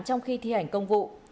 trong khi thi hành công vụ